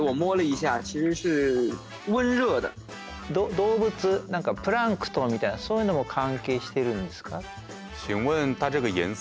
動物何かプランクトンみたいなそういうのも関係してるんですかって。